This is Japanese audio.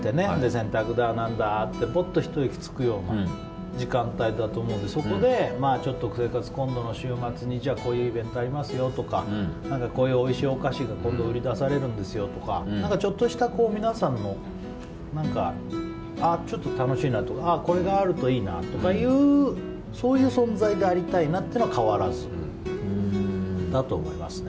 洗濯だ、何だってほっとひと息つくような時間帯だと思うのでそこで、生活の今度の週末にこういうイベントありますよとかこういうおいしいお菓子が今度売り出されるんですよとかちょっとした皆さんのあっ、ちょっと楽しいなとかこれがあるといいなとかそういう存在でありたいなは変わらずだと思いますね。